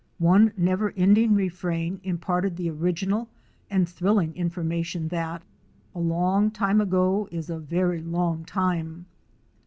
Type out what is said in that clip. One never ending refrain imparted the original and thrilling information that "A long time ago is a veree long time."